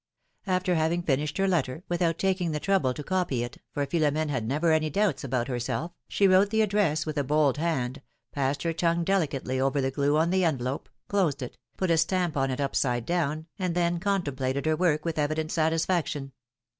After having finished her letter, without taking the trouble to copy it, for Philomtme had never any doubts about herself, she wrote the address with a bold hand, passed her tongue delicately over the glue on the envelope, closed it, put a stamp on it upside down, and then con templated her work with evident satisfaction.